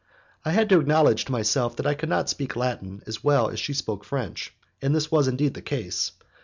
I had to acknowledge to myself that I could not speak Latin as well as she spoke French, and this was indeed the case.